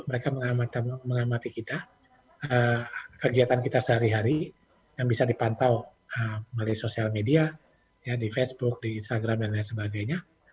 mereka mengamati kita kegiatan kita sehari hari yang bisa dipantau melalui sosial media di facebook di instagram dan lain sebagainya